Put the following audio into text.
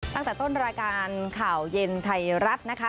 ตั้งแต่ต้นรายการข่าวเย็นไทยรัฐนะคะ